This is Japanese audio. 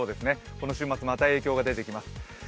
この週末、また影響が出てきます。